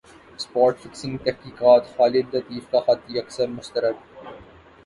spot fixing تحقیقات خالد لطیف کا خط یکسر مسترد